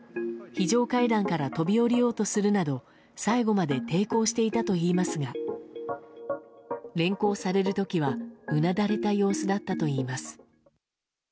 非常階段から飛び降りようとするなど最後まで抵抗していたといいますが連行される時はうなだれた様子だったといいます。